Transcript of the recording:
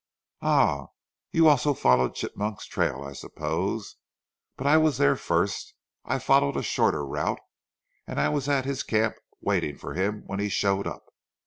"Ah! you also followed Chigmok's trail, I suppose. But I was there first. I followed a shorter route and I was at his camp waiting for him when he showed up.